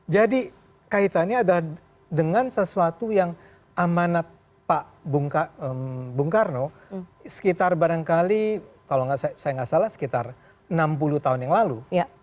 jadi kaitannya adalah dengan sesuatu yang amanat pak bung karno sekitar barangkali kalau saya enggak salah sekitar enam puluh tahun yang lalu